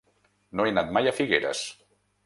No he anat mai a Figueres.